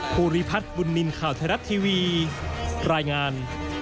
ภูริพัฒน์บุญนินทร์ข่าวไทยรัฐทีวีรายงาน